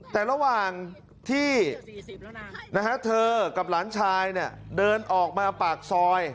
แต่ระหว่างที่เธอกับหลานชายเดินออกมาปากซอย